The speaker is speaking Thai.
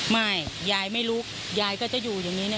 ไม่ยายไม่ลุกยายก็จะอยู่อย่างนี้